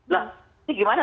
lah ini gimana